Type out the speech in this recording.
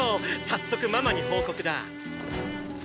早速ママに報告だ！